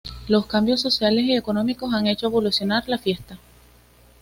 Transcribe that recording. Los cambios sociales y económicos han hecho evolucionar la fiesta.